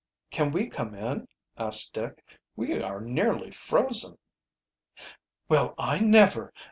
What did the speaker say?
"Can we come in?" asked Dick. "We are nearly frozen." "Well, I never!